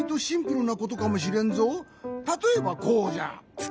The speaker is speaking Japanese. たとえばこうじゃ。